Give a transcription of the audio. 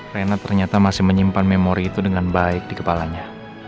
renat ternyata masih menyimpan memori itu dengan baik di kepalanya